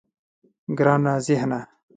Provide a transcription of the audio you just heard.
گرانه ذهنه.